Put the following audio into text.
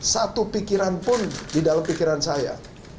satu pikiran pun di dalam pikiran saya